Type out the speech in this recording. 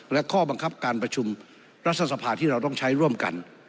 และข้อบังคับการประชุมรัฐสภาที่เราต้องใช้ร่วมกัน